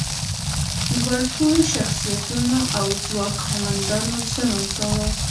لوړ پوړو شخصیتونو او ځواک خاوندانو ظلم کاوه.